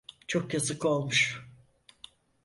Çok yazık olmuş.